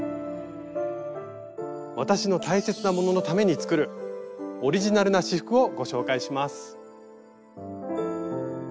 わたしの大切なもののために作るオリジナルな仕覆をご紹介します。